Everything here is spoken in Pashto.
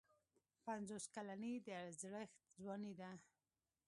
پنځوس کلني د زړښت ځواني ده.